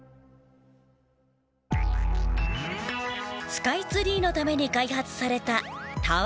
スカイツリーのために開発されたタワークレーン。